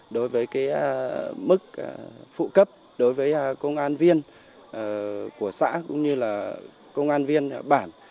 đối với mức phụ cấp đối với công an viên của xã cũng như là công an viên bản